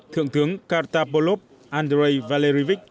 thượng tướng kartapolov andrey valerievich